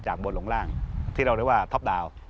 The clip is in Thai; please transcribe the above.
จากมวดหลงร่างที่เราเรียกว่าต๊อปเดา